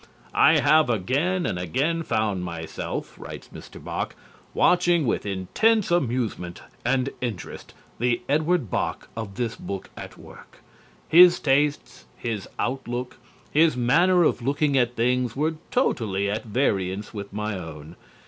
"I have again and again found myself," writes Mr. Bok, "watching with intense amusement and interest the Edward Bok of this book at work.... His tastes, his outlook, his manner of looking at things were totally at variance with my own....